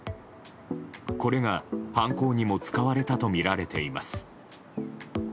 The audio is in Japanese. これが犯行にも使われたとみられています。